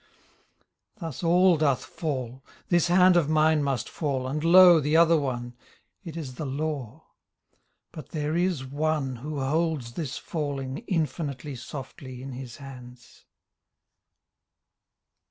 Thus all doth fall. This hand of mine must fall And lo ! the other one :— it is the law. But there is One who holds this falling Infinitely softly in His hands.